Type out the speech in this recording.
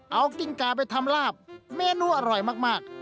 เอากิ้งกาไปทำลาบเมนูอร่อยมาก